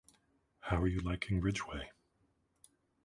How are you liking Ridgeway?